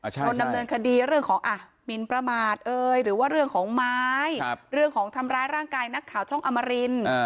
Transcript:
คนดำเนินคดีเรื่องของหมินประมาทหรือว่าเรื่องของไม้เรื่องของทำร้ายร่างกายนักข่าวช่องอมริน